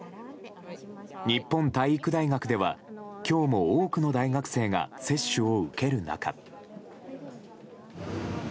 日本体育大学では、今日も多くの大学生が接種を受ける中。